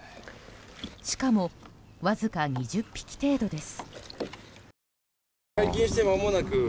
しかもわずか２０匹程度です。